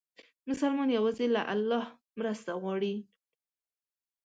مسلمان یوازې له الله مرسته غواړي.